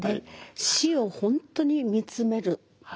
死を本当に見つめる。